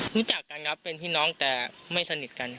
รู้จักกันครับเป็นพี่น้องแต่ไม่สนิทกัน